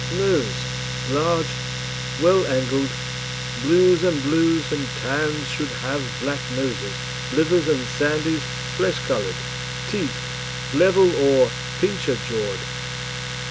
NOSE Large, well angled; blues and blues and tans should have black noses, livers and sandies flesh coloured. TEETH Level or pincher jawed.